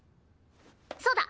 そうだ！